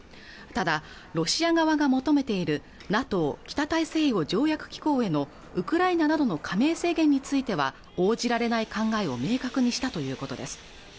ただロシア側が求めているＮＡＴＯ＝北大西洋条約機構へのウクライナなどの加盟制限については応じられない考えを明確にしたということです